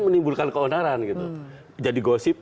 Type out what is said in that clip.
menimbulkan keonaran jadi gosip